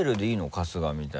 春日みたいな。